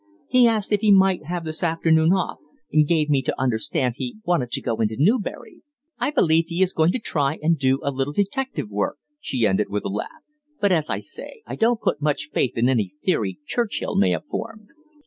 He asked if he might have this afternoon off, and gave me to understand he wanted to go into Newbury. I believe he is going to try to do a little detective work," she ended, with a laugh; "but, as I say, I don't put much faith in any theory Churchill may have formed."